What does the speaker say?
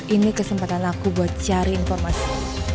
ini kesempatan aku buat cari informasi